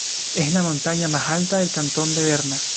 Es la montaña más alta del cantón de Berna.